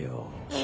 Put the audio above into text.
え？